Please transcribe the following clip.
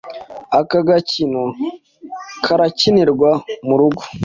Aka gakino karakinirwa mu rugo.